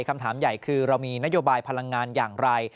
คำถามใหญ่คือเรามีนโยบายพลังงานอย่างไร